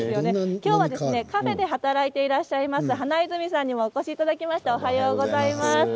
きょうはカフェで働いていらっしゃる花泉さんにもお越しいただきました。